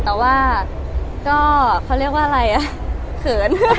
แต่ว่าเขาเรียกว่าอะไรอ่ะ